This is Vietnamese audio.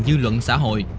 dư luận xã hội